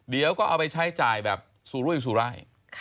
เดี๋ยวก็เอาไปใช้จ่ายแบบสุรุยสุราย